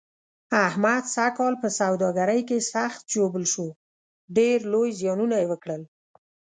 احمد سږ کال په سوداګرۍ کې سخت ژوبل شو، ډېر لوی زیانونه یې وکړل.